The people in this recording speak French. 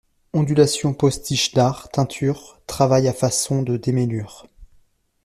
Ondulations-postiches d'art, teintures, travail à façon de démêlures.